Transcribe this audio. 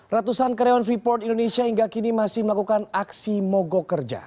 ratusan karyawan freeport indonesia hingga kini masih melakukan aksi mogok kerja